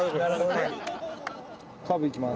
カーブいきます。